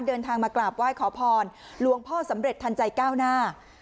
เดินทางมากราบไหว้ขอพรหลวงพ่อสำเร็จทันใจก้าวหน้า